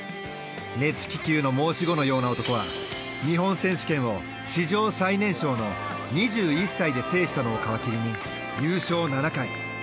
熱気球の申し子のような男は日本選手権を史上最年少の２１歳で制したのを皮切りに優勝７回。